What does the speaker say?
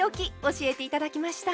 教えて頂きました。